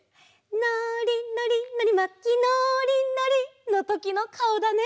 「のーりのりのりまきのーりのり」のときのかおだね！